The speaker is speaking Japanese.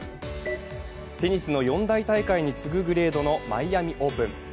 テニスの四大大会に次ぐグレードのマイアミ・オープン。